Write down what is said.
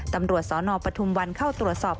ตำรวจสนปฐุมวันเข้าตรวจสอบ